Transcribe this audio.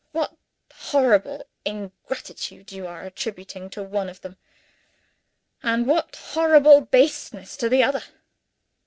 What horrible ingratitude you attribute to one of them and what horrible baseness to the other!